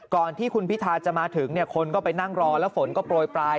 ก่อนที่คุณพิทาจะมาถึงเนี่ยคนก็ไปนั่งรอแล้วฝนก็โปรยปลาย